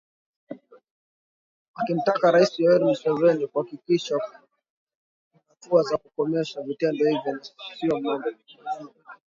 akimtaka Raisi Yoweri Museveni kuhakikisha kuna hatua za kukomesha vitendo hivyo na sio maneno pekee